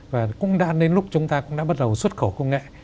và cũng đã đến lúc chúng ta cũng đã bắt đầu xuất khẩu công nghệ